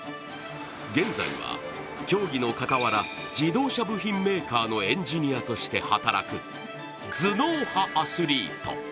現在は競技の傍ら自動車部品メーカーのエンジニアとして働く頭脳派アスリート。